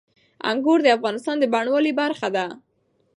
انګور د افغانستان د بڼوالۍ برخه ده.